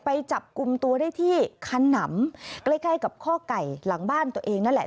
ไปจับกลุ่มตัวได้ที่ขนำใกล้ใกล้กับข้อไก่หลังบ้านตัวเองนั่นแหละ